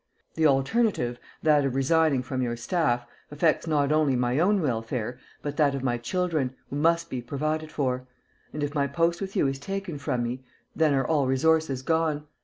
The alternative, that of resigning from your staff, affects not only my own welfare, but that of my children, who must be provided for; and if my post with you is taken from me, then are all resources gone.